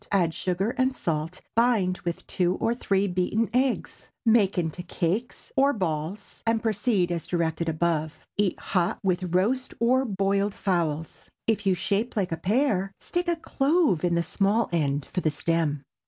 Add sugar and salt, bind with two or three beaten eggs; make into cakes or balls, and proceed as directed above. Eat hot with roast or boiled fowls. If you shape like a pear, stick a clove in the small end for the stem.